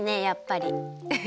やっぱり。